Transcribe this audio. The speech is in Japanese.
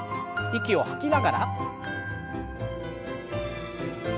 息を吐きながら。